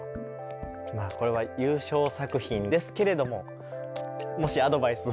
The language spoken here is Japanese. これは優勝作品ですけれどももしアドバイス。